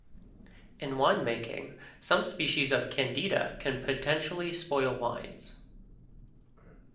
In winemaking, some species of "Candida" can potentially spoil wines.